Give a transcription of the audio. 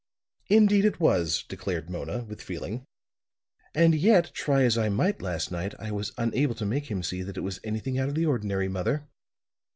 "Indeed it was," declared Mona, with feeling. "And yet, try as I might last night, I was unable to make him see that it was anything out of the ordinary, mother."